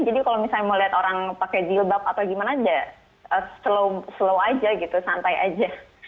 jadi kalau misalnya mau lihat orang pakai jilbab atau gimana aja slow aja gitu santai aja